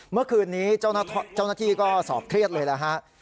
เมื่อคืนนี้เจ้าหน้าที่ก็สอบเครียดเลยนะฮะ